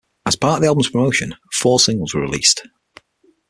As part of the album's promotion, four singles were released.